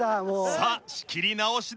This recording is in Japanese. さあ仕切り直しです。